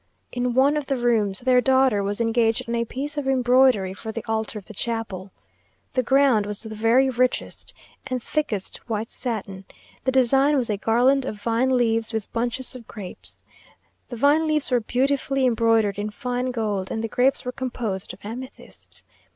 In one of the rooms, their daughter was engaged on a piece of embroidery for the altar of the chapel. The ground was the very richest and thickest white satin; the design was a garland of vine leaves, with bunches of grapes. The vine leaves were beautifully embroidered in fine gold, and the grapes were composed of amethysts.